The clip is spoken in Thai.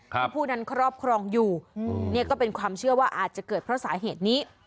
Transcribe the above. ผู้นั้นครอบครองอยู่นี่ก็เป็นความเชื่อว่าอาจจะเกิดเพราะสาเหตุนี้